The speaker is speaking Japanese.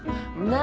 何？